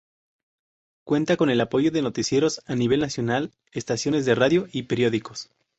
Cuenta con el apoyo de noticieros a nivel nacional, estaciones de radio y periódicos.